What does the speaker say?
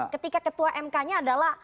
ketika ketua mk nya adalah